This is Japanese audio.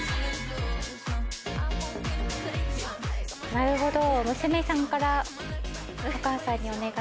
なるほど。